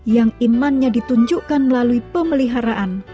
yang imannya ditunjukkan melalui pemeliharaan